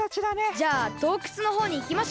じゃあどうくつのほうにいきましょう。